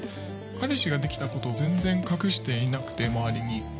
「彼氏ができた事を全然隠していなくて周りに」